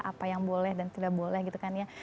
apa yang boleh dan tidak boleh gitu kan ya